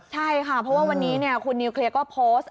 ใช่ค่ะเพราะว่าวันนี้คุณนิวเคลียร์ก็โพสต์